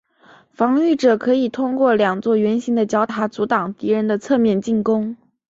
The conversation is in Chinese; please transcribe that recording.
防御者可以通过两座圆形的角塔阻挡敌人的侧面进攻。